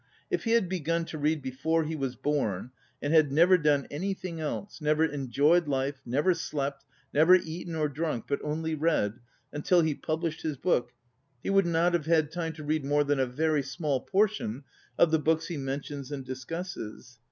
If he had begun to read before he was bom, and had never done anything else, ŌĆö never enjoyed life, never slept, never eaten or drunk, ŌĆö but only read, until he published his book, he would not have had time to read more than a very small portion of the books he men tions and discusses.